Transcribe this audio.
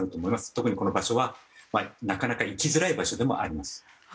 特にこの場所はなかなか行きづらい場所でもあります。